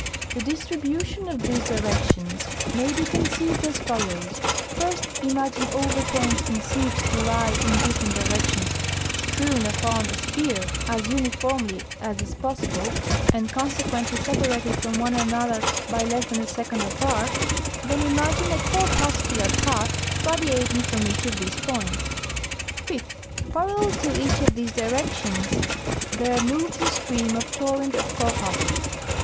The distribution of these directions may be conceived as follows: First, imagine all the points conceived to lie in different directions strewn upon a sphere as uniformly as is possible, and consequently separated from one another by less than a second of arc; then imagine a corpuscular path radiating from each of these points. Fifth. Parallel to each of these directions there moves a stream or torrent of corpuscles.